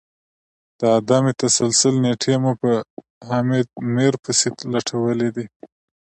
د عدم تسلسل نیټې مو په حامد میر پسي لټولې دي